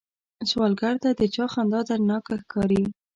سوالګر ته د چا خندا دردناکه ښکاري